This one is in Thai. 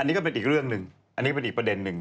อันนี้ก็เป็นอีกเรื่องหนึ่งอันนี้เป็นอีกประเด็นหนึ่ง